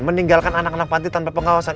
meninggalkan anak anak panti tanpa pengawasan